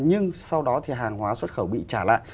nhưng sau đó thì hàng hóa xuất khẩu bị trả lại